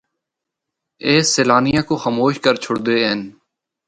اے سیلانیاں کو خاموش کر چُھڑدے ہن۔